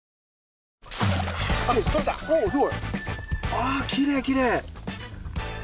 あきれいきれい。